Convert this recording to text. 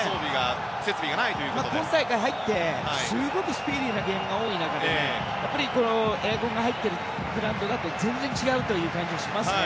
今大会入ってすごくスピーディーな試合が多い中でエアコンが入っているグラウンドだと全然違う感じがしますね。